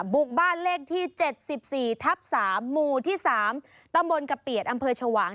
บุกบ้านเลขที่๗๔ทับ๓หมู่ที่๓ตำบลกะเปียดอำเภอชวาง